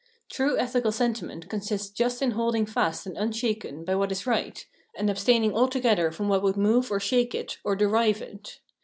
True ethical senti ment consists just in holding fast and unshaken by what is right, and abstaining altogether from what would move or shake it or derive it.